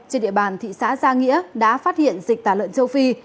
trên địa bàn thị xã gia nghĩa đã phát hiện dịch tả lợn châu phi